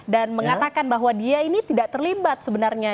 dan mengatakan bahwa dia ini tidak terlibat sebenarnya